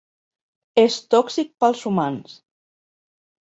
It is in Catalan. És tòxic pels humans.